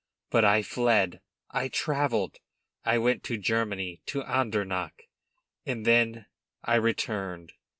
But I fled; I travelled; I went to Germany, to Andernach; and then I returned!